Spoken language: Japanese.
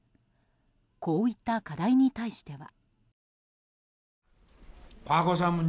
こういった課題に対しては。